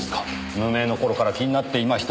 無名の頃から気になっていました。